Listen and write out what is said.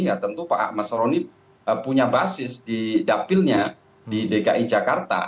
ya tentu pak mas roni punya basis di dapilnya di dki jakarta